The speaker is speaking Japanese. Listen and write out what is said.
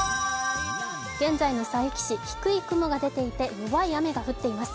現在の佐伯市、低い雲が出ていて弱い雨が降っています。